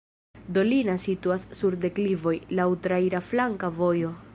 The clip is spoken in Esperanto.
Dolina situas sur deklivoj, laŭ traira flanka vojo.